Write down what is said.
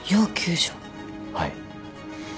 はい。